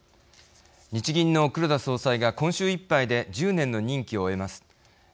日銀の黒田総裁が今週いっぱいで１０年の任期を終えます。